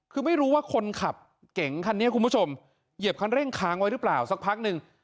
คือไม่รู้ว่าคนขับเก๋งคันนี้คุณผู้ชมเหยียบคันเร่งค้างไว้หรือเปล่าสักพักหนึ่ง